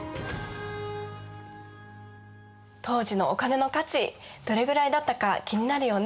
当時のお金の価値どれぐらいだったか気になるよね。